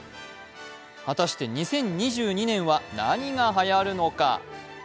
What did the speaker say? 果たして２０２２年は何がはやるのか？